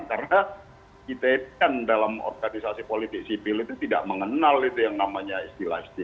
karena itn dalam organisasi politik sipil itu tidak mengenal itu yang namanya istilah istilah itu